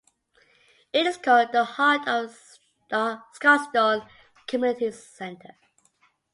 It is called "The Heart of Scotstoun Community Centre".